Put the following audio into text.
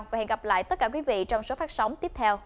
và hẹn gặp lại tất cả quý vị trong số phát sóng tiếp theo